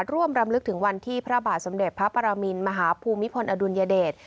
รำลึกถึงวันที่พระบาทสมเด็จพระปรมินมหาภูมิพลอดุลยเดช